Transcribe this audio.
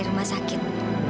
dari rumah sakit